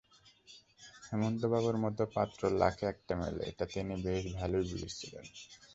হেমন্ত বাবুর মতো পাত্র লাখে একটা মেলে, এটা তিনি বেশ ভালোই বুঝেছিলেন।